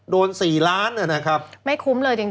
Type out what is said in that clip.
โดน๔ล้านเนี่ยนะครับผมไม่คุ้มเลยจริง